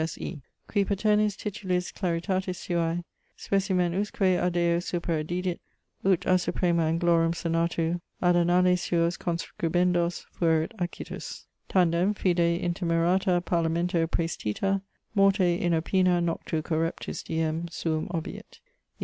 S. E. Qui paternis titulis claritatis suae specimen usque adeo superaddidit ut a supremo Anglorum senatu ad annales suos conscribendos fuerit accitus. Tandem, fide intemerata Parlamento praestita, morte inopina noctu correptus, diem suum obiit Id.